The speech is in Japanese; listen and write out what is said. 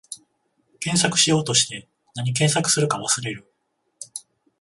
検索しようとして、なに検索するか忘れる